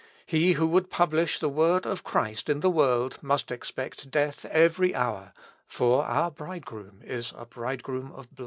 He who would publish the word of Christ in the world must expect death every hour; for our bridegroom is a bridegroom of blood."